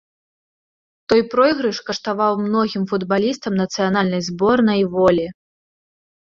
Той пройгрыш каштаваў многім футбалістам нацыянальнай зборнай волі.